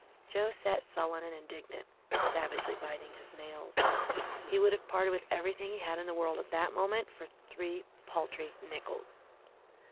Joe sat sullen and indignant, savagely biting his nails. He would have parted with everything he had in the world at that moment for three paltry nickels!